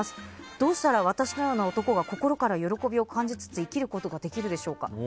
どうしたら、私のような男が心から喜びを感じつつ生きることができるでしょうか。